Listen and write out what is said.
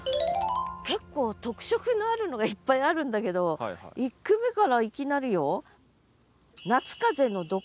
結構特色のあるのがいっぱいあるんだけど１句目からいきなりよ。